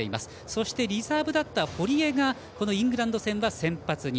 そして、リザーブだった堀江がイングランド戦は先発に。